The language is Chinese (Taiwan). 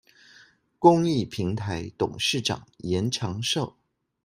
公益平臺董事長嚴長壽